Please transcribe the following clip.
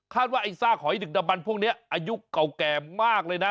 ว่าไอ้ซากหอยดึกดำบันพวกนี้อายุเก่าแก่มากเลยนะ